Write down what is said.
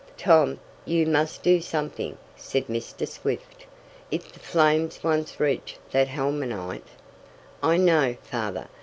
"Tom, you must do something," said Mr. Swift. "If the flames once reach that helmanite " "I know, Father.